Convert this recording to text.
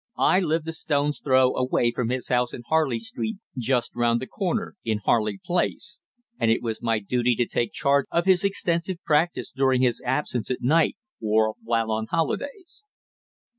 I lived a stone's throw away from his house in Harley Street, just round the corner in Harley Place, and it was my duty to take charge of his extensive practice during his absence at night or while on holidays.